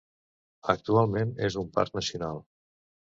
Actualment és un parc nacional.